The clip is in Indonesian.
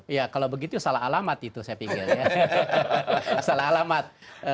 iya kalau begitu salah alamat itu saya pikir ya salah alamat